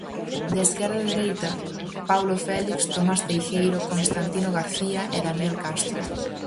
De esquerda a dereita, Paulo Félix, Tomás Teijeiro, Constantino García e Daniel Castro.